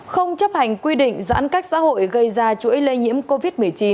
không chấp hành quy định giãn cách xã hội gây ra chuỗi lây nhiễm covid một mươi chín